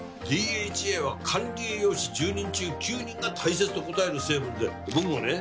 ＤＨＡは管理栄養士１０人中９人が大切と答える成分で僕もね